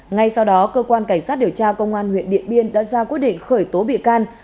ngay sau đó cơ quan cảnh sát điều tra công an huyện điện biên đã ra quyết định khởi tố bị can